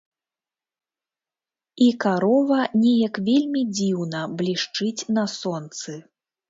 І карова неяк вельмі дзіўна блішчыць на сонцы.